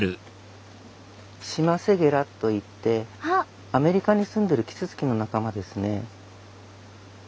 シマセゲラといってアメリカにすんでるキツツキの仲間ですね。